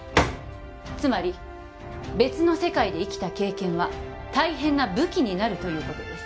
つまり別の世界で生きた経験は大変な武器になるということです